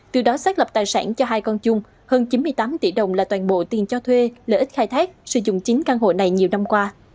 từ đó xác lập tài sản cho hai con chung hơn chín mươi tám tỷ đồng là toàn bộ tiền cho thuê lợi ích khai thác sử dụng chính căn hộ này nhiều năm qua